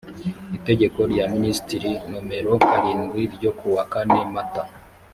itegeko rya minisitiri nomero karindwi ryo ku wa kane mata